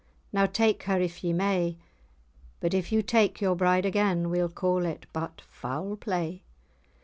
Now take her if ye may! But if you take your bride again, We'll call it but foul play."